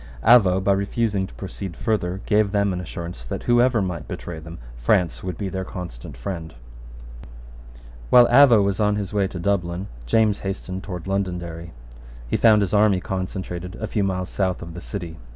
Avaux, by refusing to proceed further, gave them an assurance that, whoever might betray them, France would be their constant friend, While Avaux was on his way to Dublin, James hastened towards Londonderry. He found his army concentrated a few miles south of the city.